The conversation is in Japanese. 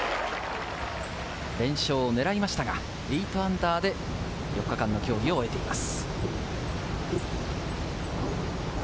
連勝を狙いましたが、−８で４日間の競技を終えています。